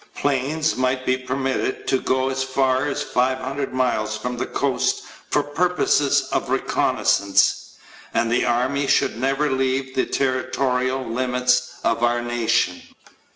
Planes might be permitted to go as far as 500 miles from the coast for purposes of reconnaissance. And the army should never leave the territorial limits of our nation.